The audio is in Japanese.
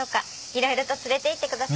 色々と連れていってくださって。